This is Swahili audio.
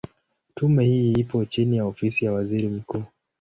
Tume hii ipo chini ya Ofisi ya Waziri Mkuu.